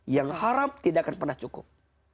yang haram tidak akan pernah cukup